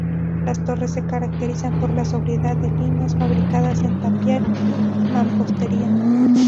Las torres se caracterizan por la sobriedad de líneas, fabricadas en tapial y mampostería.